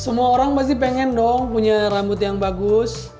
semua orang pasti pengen dong punya rambut yang bagus